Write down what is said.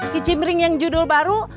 kicim ring yang judul baru